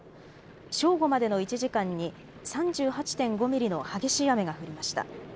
正午までの１時間に３８．５ミリの激しい雨が降りました。